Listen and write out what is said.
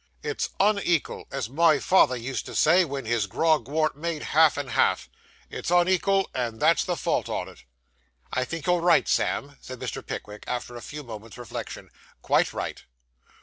"It's unekal," as my father used to say wen his grog worn't made half and half: "it's unekal, and that's the fault on it."' 'I think you're right, Sam,' said Mr. Pickwick, after a few moments' reflection, 'quite right.